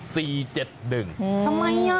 ทำไมนี่